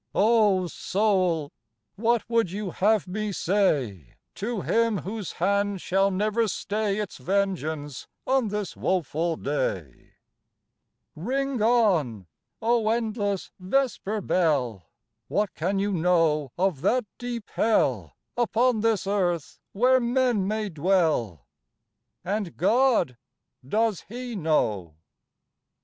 Oh soul! What would you have me say, To Him whose hand shall never stay Its vengeance on this woeful day! Ring on! oh endless vesper bell! What can you know of that deep Hell Upon this earth where men may dwell, And God, does He know?